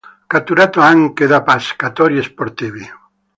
Catturato anche da pescatori sportivi.